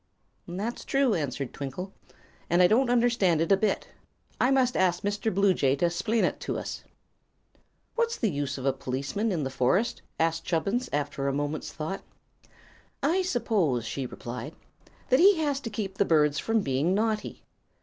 "That's true," answered Twinkle, "and I don't understand it a bit. I must ask Mr. Bluejay to 'splain it to us." "What's the use of a p'liceman in the forest?" asked Chubbins, after a moment's thought. "I suppose," she replied, "that he has to keep the birds from being naughty.